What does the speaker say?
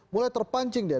mulai terpancing dia